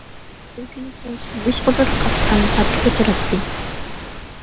؟ شۇ كۈنى كەچ نېمىشقىدۇر قاپىقىم تارتىپلا تۇراتتى.